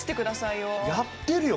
やってるよ！